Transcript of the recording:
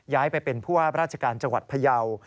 ย้ายไปเป็นผู้ว่าราชการจังหวัดพยาว